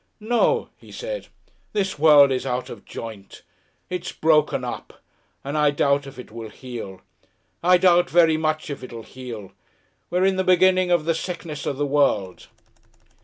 "No," he said. "This world is out of joint. It's broken up, and I doubt if it will heal. I doubt very much if it'll heal. We're in the beginning of the Sickness of the World."